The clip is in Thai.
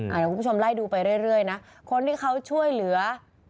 เดี๋ยวคุณผู้ชมไล่ดูไปเรื่อยนะคนที่เขาช่วยเหลือ